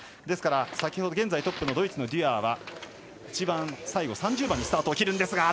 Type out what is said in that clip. ですから、現在トップのドイツのデュアーは一番最後、３０番にスタートを切ります。